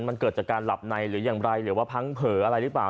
มันเกิดจากการหลับในหรืออย่างไรหรือว่าพังเผลออะไรหรือเปล่า